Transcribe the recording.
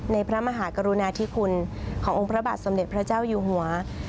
พระมหากรุณาธิคุณขององค์พระบาทสมเด็จพระเจ้าอยู่หัว